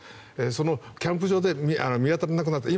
そのキャンプ場で見当たらなくなった。